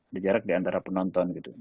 ada jarak di antara penonton gitu